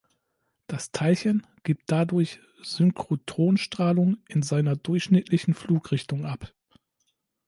Das Teilchen gibt dadurch Synchrotronstrahlung in seiner durchschnittlichen Flugrichtung ab.